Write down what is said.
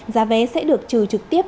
giá vé sẽ được trừ trực tiếp